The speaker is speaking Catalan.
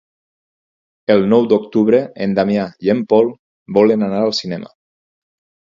El nou d'octubre en Damià i en Pol volen anar al cinema.